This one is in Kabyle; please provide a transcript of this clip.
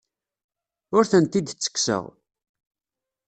Ur tent-id-ttekkseɣ.